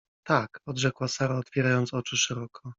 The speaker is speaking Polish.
— Tak! — odrzekła Sara, otwierając oczy szeroko.